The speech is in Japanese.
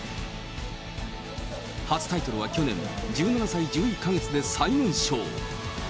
初タイトルは去年、１７歳１１か月で最年少。